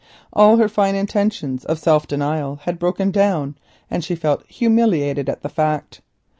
All her fine intentions of self denial had broken down, and she felt humiliated at the fact.